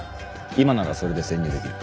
今ならそれで潜入できる。